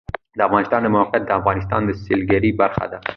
د افغانستان د موقعیت د افغانستان د سیلګرۍ برخه ده.